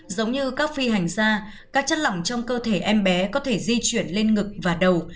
giống như các phi hành gia các chất lỏng trong cơ thể em bé có thể di chuyển lên ngực và đầu